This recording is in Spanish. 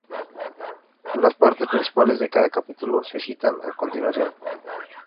Las partes principales de cada capítulo se citan a continuación.